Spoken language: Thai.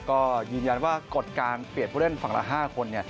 ก็ยืนยันว่ากฎการเปลี่ยนผู้เล่นฝั่งละ๕คน